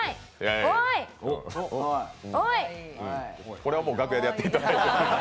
これはもう楽屋でやっていただいて。